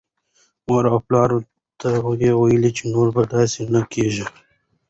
مور او پلار ته یې ویل چې نور به داسې نه کېږي.